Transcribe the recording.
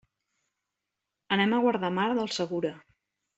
Anem a Guardamar del Segura.